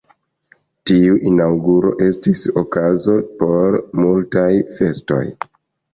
Tiu inaŭguro estis okazo por multaj festoj.